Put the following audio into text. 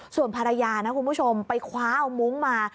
ส่วนภรรยานะคุณผู้ชมไปคว้าเอามุ้งมา